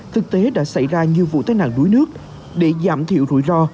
thực tế đã xảy ra nhiều vụ tai nạn đuối nước để giảm thiểu rủi ro